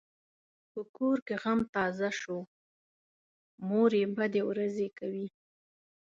په کور کې غم تازه شو؛ مور یې بدې ورځې کوي.